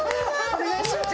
お願いします。